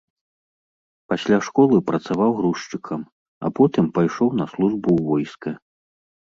Пасля школы працаваў грузчыкам, а потым пайшоў на службу ў войска.